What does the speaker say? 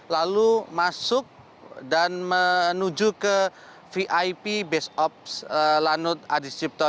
lalu masuk dan menuju ke vip